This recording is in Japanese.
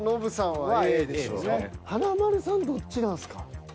華丸さんどっちなんすか？